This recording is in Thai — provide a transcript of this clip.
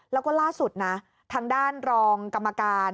แล้วก็ล่าสุดนะทางด้านรองกรรมการ